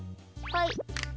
はい。